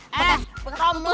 eh romlah romlah